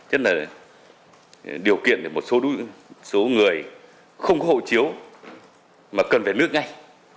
rất là điều kiện để một số người không có hộ chiếu mà cần về nước ngay